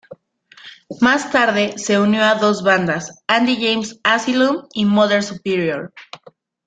Más tarde se unió a dos bandas "Andy James Asylum" y "Mother Superior".